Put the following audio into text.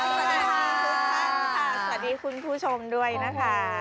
สวัสดีคุณผู้ชมด้วยนะคะ